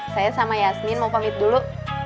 saya sama yasmin mau pamit dulu